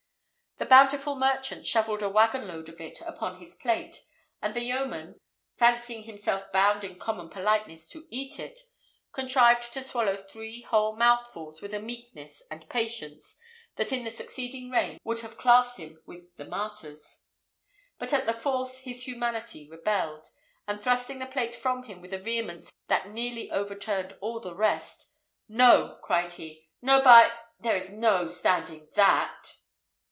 The bountiful merchant shovelled a waggon load of it upon his plate, and the yeoman, fancying himself bound in common politeness to eat it, contrived to swallow three whole mouthfuls with a meekness and patience that in the succeeding reign would have classed him with the martyrs; but at the fourth his humanity rebelled, and thrusting the plate from him with a vehemence that nearly overturned all the rest, "No!" cried he. "No, by ! there is no standing that!"